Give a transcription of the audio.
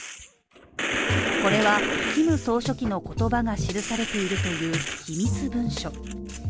これはキム総書記の言葉が記されているという秘密文書